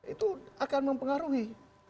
itu akan mempengaruhi